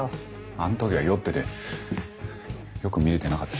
あんときは酔っててよく見れてなかった。